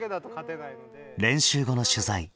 練習後の取材。